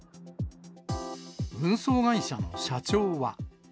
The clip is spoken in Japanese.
運送会社の社長は。